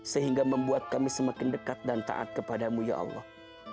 sehingga membuat kami semakin dekat dan taat kepadamu ya allah